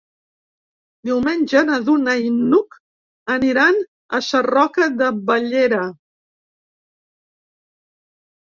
Diumenge na Duna i n'Hug aniran a Sarroca de Bellera.